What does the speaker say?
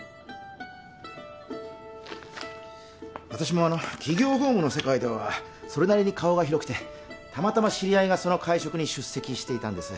私も企業法務の世界ではそれなりに顔が広くてたまたま知り合いがその会食に出席していたんです